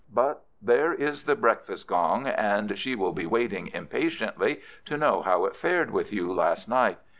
But there is the breakfast gong, and she will be waiting impatiently to know how it fared with you last night.